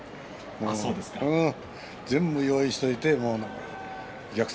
全部、用意しておいて逆転